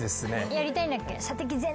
やりたいんだっけ？